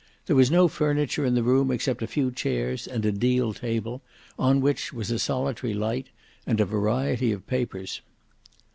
There was no furniture in the room except a few chairs and a deal table, on which was a solitary light and a variety of papers.